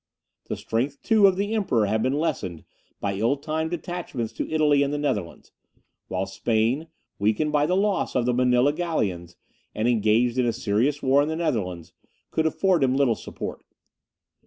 The strength, too, of the Emperor had been lessened by ill timed detachments to Italy and the Netherlands; while Spain, weakened by the loss of the Manilla galleons, and engaged in a serious war in the Netherlands, could afford him little support.